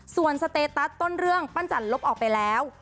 ส่วนสเตตัสต้นเรื่องปั้นจันลบออกไปแล้ว